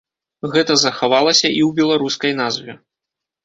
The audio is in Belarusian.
Гэта захавалася і ў беларускай назве.